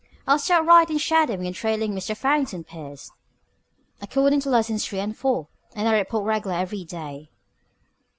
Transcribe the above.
"I'll start right in shadowing and trailing Mister Farrington Pierce, according to Lessons Three and Four, and I'll report reg'lar every day."